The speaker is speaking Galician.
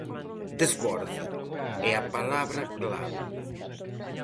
"Desborde" é a palabra clave.